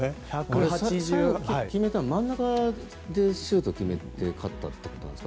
最後、決めたの真ん中にシュートを決めて勝ったということですか？